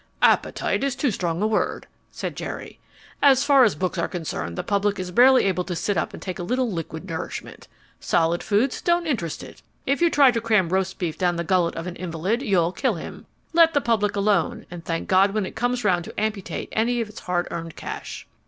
"Appetite is too strong a word," said Jerry. "As far as books are concerned the public is barely able to sit up and take a little liquid nourishment. Solid foods don't interest it. If you try to cram roast beef down the gullet of an invalid you'll kill him. Let the public alone, and thank God when it comes round to amputate any of its hard earned cash."